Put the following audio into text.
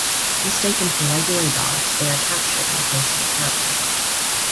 Mistaken for regular dogs, they are captured and placed in a pound.